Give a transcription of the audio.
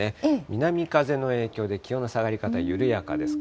南風の影響で気温の下がり方、緩やかです。